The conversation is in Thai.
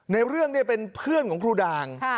ในเรื่องเป็นเพื่อนของครูด่าง